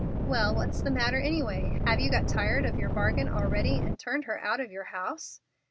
Well, what's the matter, any way? Have you got tired of your bargain already and turned her out of your house?"